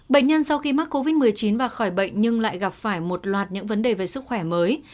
bệnh nhân sau khi mắc covid một mươi chín và khỏi bệnh nhưng lại gặp phải một loạt những vấn đề về sức khỏe mới